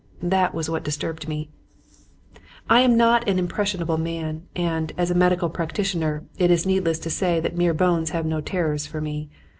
That was what disturbed me. I am not an impressionable man; and, as a medical practitioner, it is needless to say that mere bones have no terrors for me.